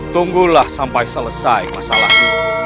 tunggulah sampai selesai masalah ini